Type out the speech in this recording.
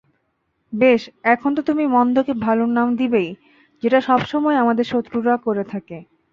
বেশ এখন তো তুমি মন্দকে ভালোর নাম দিবেই যেটা সবসময় আমাদের শত্রুরা করে থাকে।